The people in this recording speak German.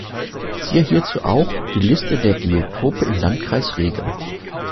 Siehe hierzu auch die Liste der Geotope im Landkreis Regen.